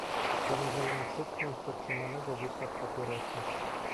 "Zamierzał ją przytknąć do trzymanego w ustach papierosa."